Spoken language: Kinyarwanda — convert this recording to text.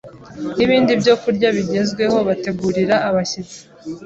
n’ibindi byokurya bigezweho bategurira abashyitsi,